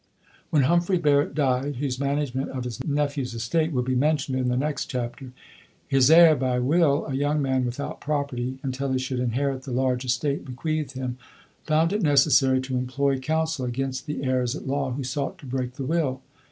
When Humphrey Barrett died (whose management of his nephew's estate will be mentioned in the next chapter), his heir by will (a young man without property, until he should inherit the large estate bequeathed him), found it necessary to employ counsel against the heirs at law, who sought to break the will.